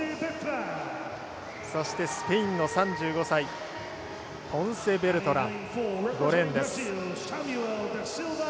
そして、スペインの３５歳ポンセベルトラン、５レーンです。